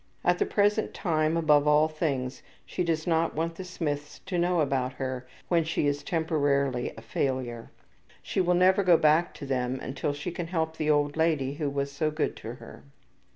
At the present time, above all things, she does not want the Smiths to know about her when she is temporarily a failure. She will never go back to them until she can help the old lady who was so good to her.